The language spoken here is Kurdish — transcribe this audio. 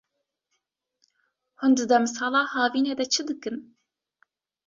Hûn di demsala havinê de çi dikin?